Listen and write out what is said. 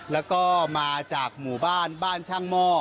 แล้วก็มาจากหมู่บ้านบ้านช่างหม้อ